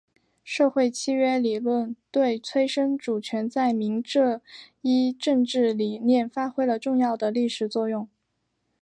社会契约理论对催生主权在民这一政治理念发挥了重要的历史作用。